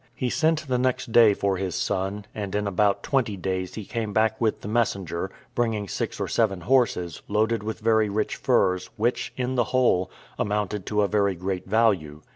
He sent the next day for his son; and in about twenty days he came back with the messenger, bringing six or seven horses, loaded with very rich furs, which, in the whole, amounted to a very great value.